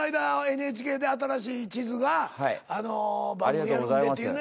ＮＨＫで新しい地図が番組やるんでっていうんで。